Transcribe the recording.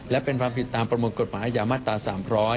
และเป็นความผิดตามประมวลกฎหมายอาญามาตรา๓๐๐